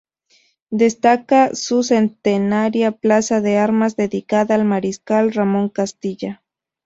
Destaca su centenaria Plaza de Armas dedicada al Mariscal Ramón Castilla.